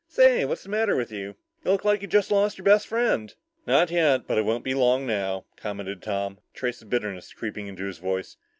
"Say, what's the matter with you? You look like you just lost your best friend." "Not yet, but it won't be long now," commented Tom, a trace of bitterness creeping into his voice.